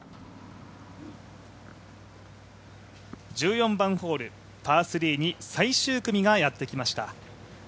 １４番ホール、パー３に最終組がやってきました。